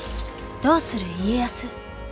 「どうする家康」。